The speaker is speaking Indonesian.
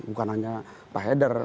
bukan hanya pak hedar